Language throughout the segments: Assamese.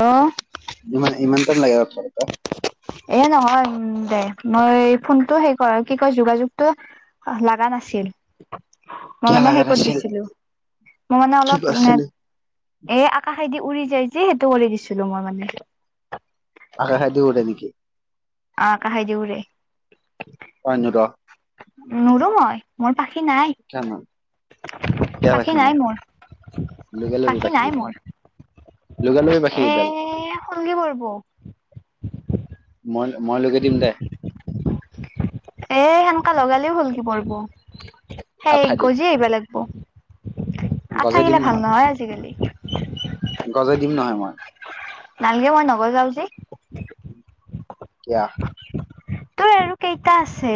হেল্ল' ইমান ইমানমান টাইম লাগোব [unintelligible] পিছত এ নহয় দে মই ফোনটো হে কৰ কি কয় যোগাযোগতটো লগা নাছিল। মই কিয় মানে লগা সেই ক'ত নাছিল দিছিলো মই মানে কি অলপ কৰিছিলি এ আকাশেদি উৰি যায় যে সেইটো কৰি দিছিলো মই মানে। অকাশে দিয় উৰে নেকি। আ আকাশেদি উৰে। অ' ৰ নোৰু মই। মোৰ পাখি নাই। কিয় ন পাখি নাই মোৰ, পাখি নাই মোৰ। লগাই লৈ পাখি এইডাল। এ, সংগী বহিব। মই মই লগেই দিম দে। এ, সেনেকা লগালেও শুলকি পৰিব। সেই আঠা দি গজি আহিবা লাগিব। আঠা গজে দিম গিলা ভাল নহয় আজিকালি। গজাই দিম নহয় মই। নালগে মই নগজাও যে। কিয়? তোৰ আৰু কেইটা আছে?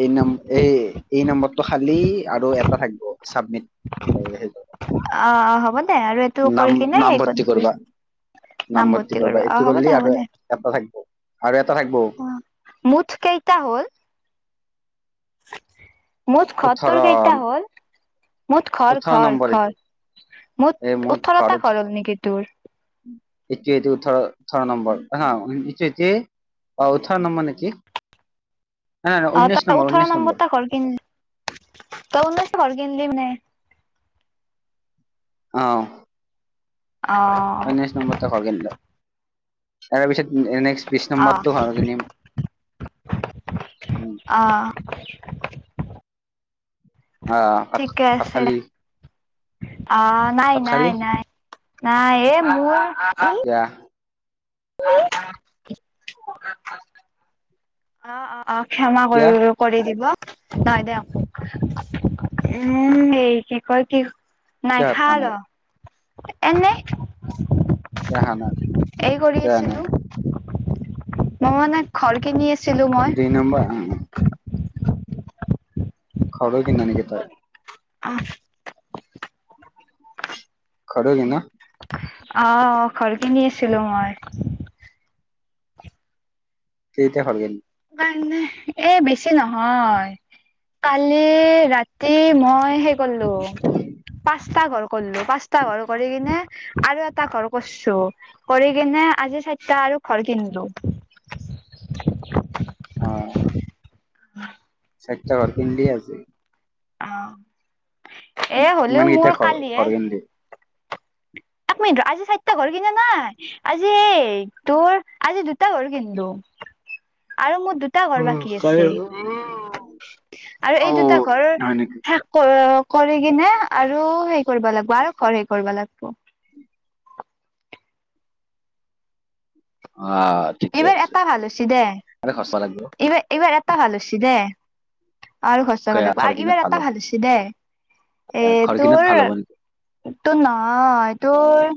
এই নম এই এই নম্বৰটো খালি আৰু এটা থাকিব, চাবমিট সেই অ', অ' হ'ব দে আৰু এইটো কৰি কিনে হেৰি কৰি দিবি। নাম নামভৰ্তি ভৰ্তি কৰিবা। অ এইটো হ'ব দে কৰিলে হ'ব আৰু দে এটা থাকিব আৰু এটা থাকিব। অ মুঠ কেইটা হ'ল? মুঠ ঘৰ ওঠৰ তোৰ কেইটা হ'ল? মুঠ ঘৰ ওঠৰ ঘৰ নম্বৰ এইটো খৰ। এই মুঠ মোৰ ওঠৰটা ঘৰ হ'ল নেকি তোৰ? এতিয়া এইটো ওঠৰ ওঠৰ নম্বৰ। হয় ন'? ইতে ইতে অ' উঠৰ নম মানে কি? অ' তই ওঠৰ ঊনৈশ নম্বৰ নম্বৰটা ঘৰ কিনলি, তই ঊনৈশটা ঘৰ কিনিলি মানে। অ'। অ'। উনৈচ নম্বৰটা ঘৰ কিনিলোঁ। তাৰেপিছত নেক্স বিশ অ নম্বৰটো ঘৰ কিনিম। অ'। অ', অ' ঠিকে ভাত আছে দে খালি? অ' নাই ভাত খালি নাই, নাই নাই এ, মোৰ কিয়া [unintelligible] অ', অ', অ' ক্ষমা কিয়া কৰি কৰি দিব। নহ দে উম, এই কি ক কি কিয় নাই ভাত খোৱা খাৰ ল এনে, কিয় খোৱা নাই এই কৰি কিয় খোৱা নাই আছিলোঁ। মই মানে ঘৰ কিনি আছি দুই নম্বাৰ অ', অ'। ঘৰো কিন নেকি তই? অ'। ঘৰো কিন'? অ' ঘৰ কিনি আছিলোঁ মই। কেইটা পালিনি? পাইনা, এ, বেছি নহয়। কালি ৰাতি মই সেই কৰলো পাঁচটা ঘৰ কৰলো, পাঁচটা ঘৰ কৰি কিনে আৰু এটা ঘৰ কৰ্চু, কৰি কিনে আজি চাৰিটা আৰু ঘৰ কিনিলোঁ। অ'। চাইৰটা ঘৰ কিনলি আজি? অ'। এ, ইমান হ'লেও কেইটা মোৰ ঘৰ ঘৰ কালিহে কিনিলি একমিনিট ৰ আজি চাইটা ঘৰ কিনা নাই, আজি তোৰ আজি দু টা ঘৰ কিনলো। আৰু মোৰ দুট টা অ ঘৰ বাকী আছে হয় আৰু এই দুটা ঘৰ নেকি কৰ কৰি কিনে আৰু সেই কৰিব লাগিব, আৰু ঘৰ হেই কৰিব লাগিব। অ' আৰ এইবাৰ এটা ভাল হৈছে দে। আৱে খচ্চা লাগিব। এইবাৰ, এইবাৰ এটা ভাল হৈছে দে। আৰু স্বচ্ছ হাব লাগিব আৰু এইবাৰ এটা ভাল হৈছে দেই এ তোৰ নেকি এইটো নাই, এইটোৰ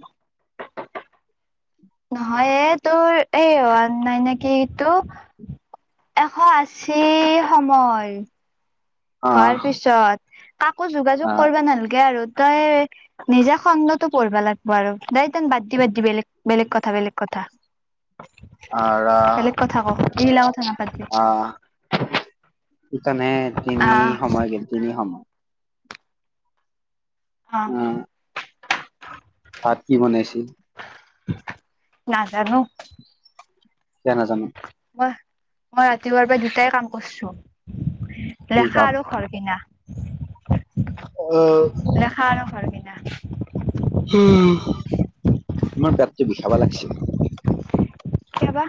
নহয় এ তোৰ এই হোৱাক নাই নেকি ইটু এশ আশী সময় অ হোৱাৰ পিছত কাকো আ, যোগাযোগ কৰিবা নালাগে আৰু তই নিজা খগতো পঢ়বা লাগব আৰু দাই টাং বাদ দি, বাদ দি, বেলেগ, বেলেগ কথা, বেলেগ কথা আৰা, বেলেগ কথা ক এইগিলা কথা নাপাতবি আহ সেইইকাৰণে তিনি আহ সময় গেল তিনি সময় অ'। ভাত কি বনাইছিল? নাজানো। কিও নাজানো? মই, মই ৰাতিপুৱাৰ পৰা দুটাই কাম কৰিছো। কি কাম দেখা আৰু ঘৰ কিনা অ'। খা আৰু ঘৰ কিনা। উ, তোমাৰ পেটটো বিষাব লাগছি। কিওবা।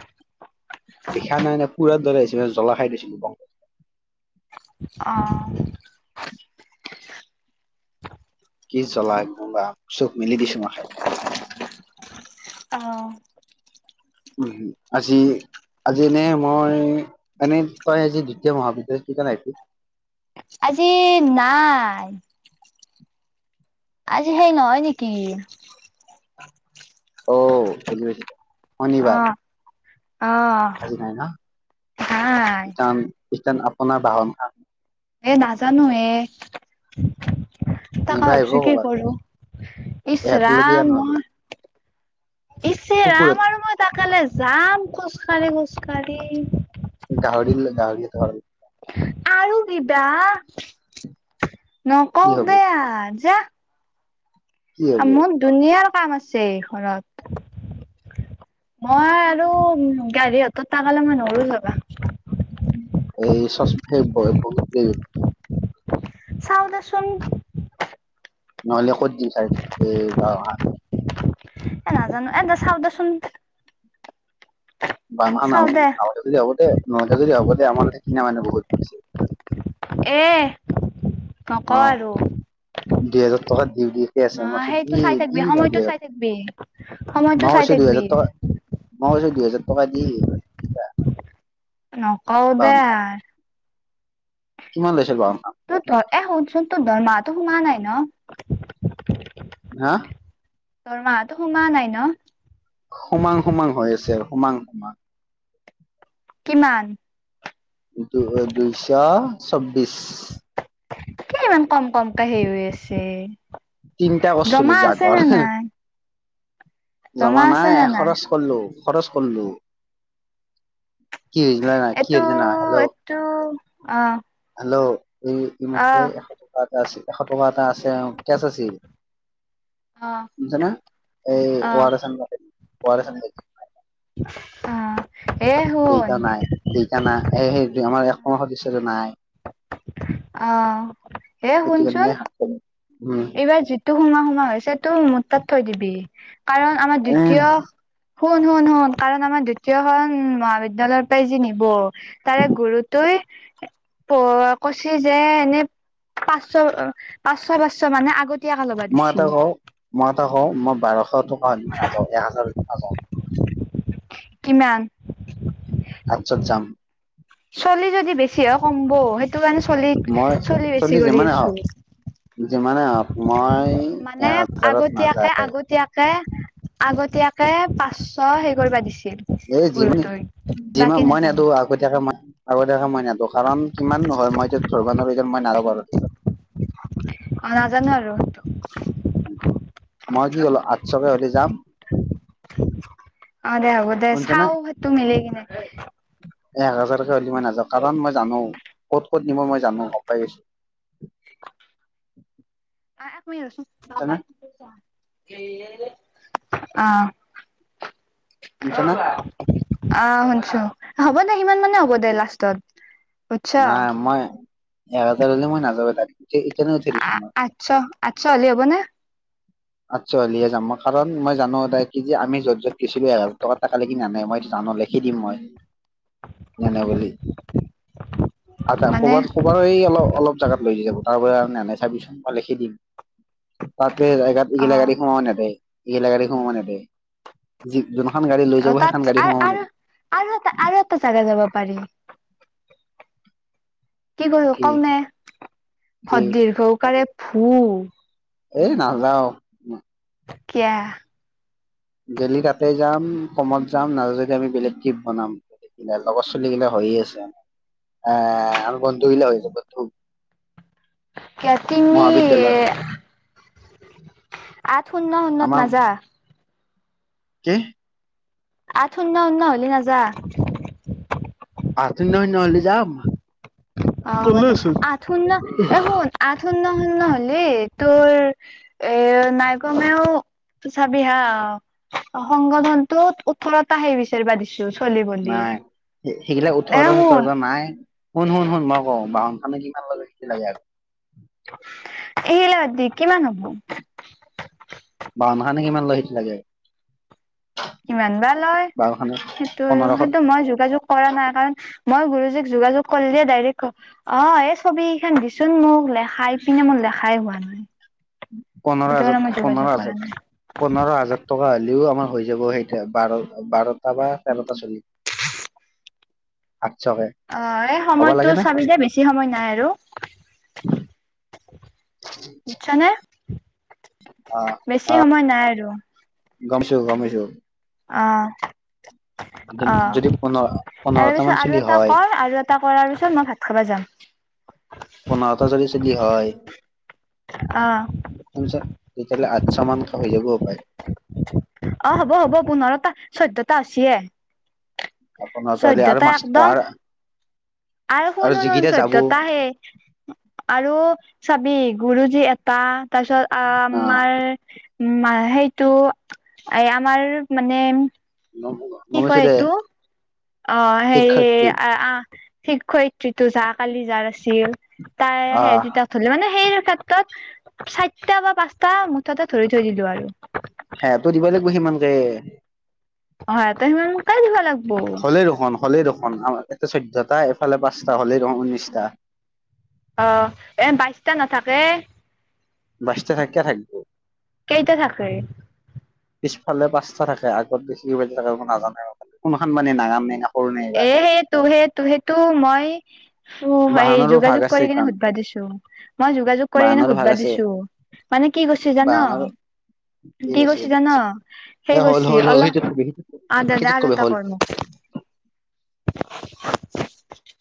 নিখা নাই নে পুৰত দৰে আহিছিল জলা খাই দিছিলো বন অ'। কি জলা কোনোবা চুখ মেলি দি চুমা খাই। অ'। উ, আজি, আজিনে মই এনে তই আজি দ্বিতীয় মহাবিদ্যালয় কিকাৰে আহিসি আজি নাই। আজি সেই নহয় নেকি। অ, বুজি পাইসু অ শনিবাৰ। অ'। আজি নাই না নাই কি কাম ইছটান ওকমান বহাৰ্মা এ নাজানো এ তাক নিবা আহিব ভাবছো কি ক'বাত কৰো ইছ ইহঁতলৈকে ৰাম মো নহ'লে কুকুৰত ইচৰাম আৰু মই তাকালৈ যাম খোজ কাঢ়ি, খোজ কাঢ়ি গাহৰি, গাহৰি থ আৰু কিবা কি নকওঁ হ'ব বেয়া যা কি হ'ব মোৰ ধুনীয়া কাম আছে ঘৰত। মই আৰু গাড়ী হতত তাকালে মই নৰো যাবা। এই চচম বহুত চাও দ চোন নহ'লে ক'ত দিম চাই এই গাওঁ হ এ নাজানো এদা চাও দোচোন। বানান খজ হবতে নলা খজুলি হবতে আমাৰ এ কিনা মানে বহুতছে এ, নক আৰু। দুহোজাৰ টকা দিওঁ দিয়। ঠিকে অ আছে মই সেইটো চাই থাকিবি দি সময়টো দে চাই থাকিবি সময়টো চাই মইছো থাকিবি দুইহেজাৰ টকা মই কৈছো দুহোজাৰ টকা দি নকওঁ দে। বাহন কিমান লৈছে পা তোৰ ধ, এ শুনচোন তোৰ ধমাহটো সোমা নাই ন। হা? দৰমাহাতো সোমোৱা নাই ন'। সোমাং সোমাং হৈ আছে আৰু সোমাং সোমং। কিমান? দুই-দুইশছবিশ। কি ইমান কম কমকে হেৰি হৈ আছে তিনটা কৰছিলি জমা আছে জাগৰ নে নাই? জমা নাই এশদহ কৰলো, খৰচ কৰলো, কি হৈছিল জানা নাই, কি হৈছিল জানা নাই হেল্ল'। তো অহ। হেল্ল'। এই এইমাত্ৰই এশ টকা এটা আছিল, এশ টকা এটা আছে আৰু। কেচ আছিল, অ শুনচানা। এই অ ওৱাৰেচ আনবা ওৱাৰেচ আনবা অহ। দেউতা নাই, দেইতা নাই। সেইটোৱে আমাৰ একসম সদস্য যে নাই। অ এ সেইটোকাৰণে শুনচোন এই হাপে যিটো সোমাওঁ-সোমাওঁ হৈছে সেইটো মোৰ তাত থৈ দিবি, কাৰণ আমাৰ এ দ্বিতীয় শুন, শুন, শুন। কাৰণ আমাৰ দ্বিতীয়খন মহাবিদ্যয়ালয়ৰ পৰাই যি নিব। তাৰে গুৰুতোই প কৈছে যে, এনেই পাঁচশ, পাঁচশ-পাঁচশ মানে আগতে মই এটা কওঁ, মই এটা কওঁ। মই বাৰশ টকা হলি নাযাওঁ এক হাজাৰ হলি নাযাওঁ। কিমান? আঠছত যাম। চলি যদি বেছি হয় কম ব' সেইটো কাৰণে চলি, মই চলি বেছি কৰি আছোঁ। যিমানেই হওঁক মই মানে এহজাৰত আগতীয়াকে নাযায়। আগতীয়াকে আগতীয়াকে পাঁচশ সেই কৰিবা দিছিল। এই জিমি, গুৰুতোই যি বাকী মই নাজানো নেদো আগতীয়াকে মই, আগতীয়াকে মই নেদো কাৰণ কিমান নহয় মই এতিয়া ধৰবানৰো এতিয়া মই নাজাবাওঁ পাৰোঁ। অহ, নাজানোঁ আৰু। মই কি ক'লো আঠশকে হলি যাম। অহ, দে হ'ব দে, শুনিছানে চাওঁ সেইটো মিলেই কিনে। এক হাজাৰকে হলি মই নাযাওঁ কাৰণ মই জানোঁ ক'ত-ক'ত নিব মই জানোঁ গম পাই গেইছোঁ। [unintelligible] এ এক মিনিট ৰ' চোন। শুনিছানে [unintelligible] অহ। অহ, শুনিছানে বা। অহ, শুনছোঁ হ'ব দে, সিমান মানে হ'ব দে লাষ্টত। বুজছ নাই মই, একহাজাৰ ল'লে মই নাযাওঁ দাইৰেক্ট ইতেনে উঠেই দিছোঁ মই। আঠছ, আঠছ হ'লি হ'ব নে? আঠছ হ'লিহে যাম মই কাৰণ মই জানোঁ তাই কি যে আমি য'ত-য'ত গৈছিলোঁ, এক হাজাৰ টকাত তাকেলেগি নেনেই ক মই জানোঁ লেখি লেখি দিম মই। নেনে বুলি, আধা মানে ক'বাত ক'বাত [unintelligible] অলপ-অলপ জাগাত লৈ যাব তাৰপৰা আৰু নেনেই চাবিচোন মই লিখি দিম। তাকে জেগাত অ এইগিলা গাড়ী সোমাবা নেদেই, এইগিলা গাড়ী সোমাবা নেদেই। যি যোনখান গাড় লৈ অ যাব তাত সেখান গাড়ী সোমাবা আৰু নেদেই। আৰু এটা, আৰু এটা জাগা যাবা পাৰি। কি কৰো কওঁ নে, কি ভত দীৰ্ঘওকাৰে ভূ এ নাযাওঁ। কিয়া? গেলি তাতে যাম কমত যাম, নাজা যদি আমি বেলেগ টিপ বনাম। এইগিলা লগৰ চলি গিলা হৈয়ে আছে। - অহ, আৰু বন্ধুগিলা হৈ আছে বন্ধু। কিয়া তিনি মহাবিদ্যালয়ত আঠ শূন্য শূন্যত আমাৰ নাযা। কি? আঠ শূন্য শূন্য হ'লি নাযা। আঠ শূন্য শূন্য হ'লি যাম। অ' হ'ব দে, আঠ শূন্য এ শুন আঠ শূন্য শূন্য হ'লি তোৰ এ নাই কমেও চাবি হা, সংগঠনতো ওঠৰটা সেই বিচাৰবা দিছ চ চলিব। নাই, সেইগিলা ওঠোৰটা চঠোৰতা নাই। শুন, শুন, শুন, মই কওঁ বাহনখানে কিমান [unintelligible] এই ইয়াত দি কিমান হ'ব। বাওঁ মাহে নো কিমান লয় সেইটো লাগে। কিমান বা লয়, বাহন খানে সেইটো আৰু পোন্ধৰশ সেইটো মই যোগাযোগ কৰা নাই কাৰণ মই গুৰুজীক যোগাযোগ কৰিলে ডাইৰেক্ট কম। অ' এই ছবিকেইখান দিচোন মোক লেখাই পিনে মোৰ লেখাই হোৱা নাই। পোন্ধৰ সেইটো হাজাৰ কাৰণে মই পোন্ধৰ যোগাযোগ কৰা হাজাৰ, নাই পোন্ধৰ হাজাৰ টকা হ'লেও আমাৰ হৈ যাব। সেইটোৱে বাৰ বাৰটা বা তেৰটা চলি। আঠছকে। অ' এই সময়তো চাবি দে বেছি সময় নাই আৰু। বুতছানে অ বেছি সময় নাই আৰু। গ'মছো গ'ম পাইছোঁ। অ'। অ' যদি পোন্ধৰ তাৰ পোন্ধৰটা মান পিছত আৰু চুলি এটা হয় কৰ আৰু এটা কৰাৰ পিছত মই ভাত খাবা যাম। বনাওতে যদি [unintelligible] হয়। অ'। শুনছা তেতিয়াহ'লে আঠশ মানকে হৈ যাব হপাই। অ' হ'ব হ'ব পোন্ধৰটা চৈধ্যটা হৈছি এ। পোন্ধৰটা হ'লে আৰু চৈধ্যটা মাছ একদম, আৰু আৰু শুন, শুন, শুন, যিকেইটা যাব চৈধ্যটা হে আৰু চাবি গুৰুজী এটা তাৰপিছত আহ আমাৰ উম' সেইটো, এই আমাৰ মানে নহ'ব। কি কয় সেটো, অ' হেৰি শিক্ষাৰ্থী অ', অ'। শিক্ষয়ত্ৰীটো যা কালি যাৰ আছিল, তাৰে সেই আহ দুটা ধৰিলে মানে সেই ক্ষেত্ৰত চাৰিটা বা পাঁচটা মুঠতে ধৰি থৈ দিলো আৰু। সেহেটো দিবই লাগিবো সিমানকে। হয় ত ম [unintelligible] তাইও দিব লাগবো। হ'লে দেখোন হলেই দেখোন এটা চৈধ্যটা এফালে পাঁচটা হ'লেই দেখোন ঊনৈশটা। অ' এ বাইশটা নাথাকে। বাইচতা থাকিয়ে থাকিব। কেইটা থাকে। পিছ ফালে পাঁচটা থাকে আগত বেছি ওৱেদ থকা নাজানে কোনখন মানে নাগাম নে সৰু নে এইবাৰ এহে তুহে তুহেতটো মই। টো এই বাহনৰো ভাগ যোগাযোগ আছে কৰি কিনে কাৰণ সুধবা দিছোঁ। মই যোগাযোগ কৰি কিনে বাহনৰো ভাগ সুধবা আছে দিছোঁ। মানে কি কৈছে জান বাহনৰো অ'। কি কৰিছে জান এ সেই কৰিছ হ'ল সেই হ'ল হ'ল সেইটোত কবি অলপ আ দাদা সেইটোত আৰু কবি এটা হ'ল কৰ মোক [unintelligible]